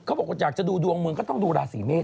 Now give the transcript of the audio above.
บอกว่าอยากจะดูดวงเมืองก็ต้องดูราศีเมษ